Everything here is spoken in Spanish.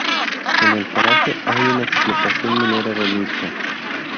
En el paraje hay una explotación minera de mica.